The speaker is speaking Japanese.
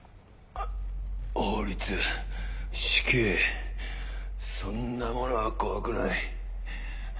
法律死刑そんなものは怖くない。